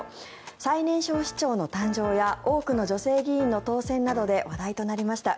最年少市長の誕生や多くの女性議員の当選などで話題となりました。